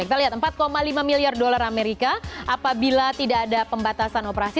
kita lihat empat lima miliar dolar amerika apabila tidak ada pembatasan operasi